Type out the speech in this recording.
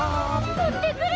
追ってくる！